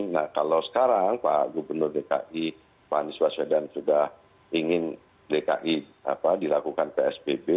nah kalau sekarang pak gubernur dki pak anies baswedan sudah ingin dki dilakukan psbb